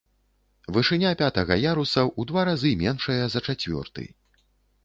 Вышыня пятага яруса ў два разы меншая за чацвёрты.